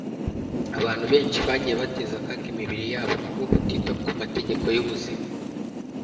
abantu benshi bagiye bateza akaga imibiri yabo kubwo kutita ku mategeko y'ubuzima